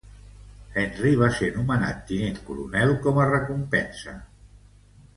Henry va ser nomenat tinent coronel com a recompensa.